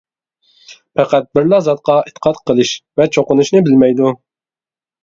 پەقەت بىرلا زاتقا ئېتىقاد قىلىش ۋە چوقۇنۇشنى بىلمەيدۇ.